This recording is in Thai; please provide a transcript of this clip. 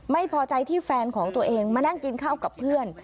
ไม่พอใจที่แฟนของตัวเองมานั่งกินข้าวกับเพื่อน